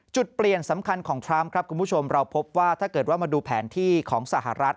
จุดเปลี่ยนสำคัญของทรัมป์ครับคุณผู้ชมเราพบว่าถ้าเกิดว่ามาดูแผนที่ของสหรัฐ